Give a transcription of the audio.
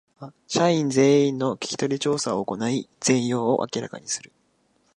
社員全員の聞き取り調査を行い全容を明らかにする